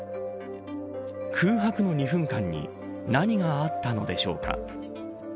空白の２分間に何があったのでしょうか。